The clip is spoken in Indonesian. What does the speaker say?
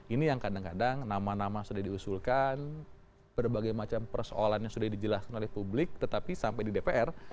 ini yang kadang kadang nama nama sudah diusulkan berbagai macam persoalan yang sudah dijelaskan oleh publik tetapi sampai di dpr